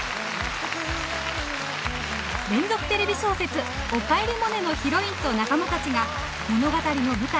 連続テレビ小説「おかえりモネ」のヒロインと仲間たちが物語の舞台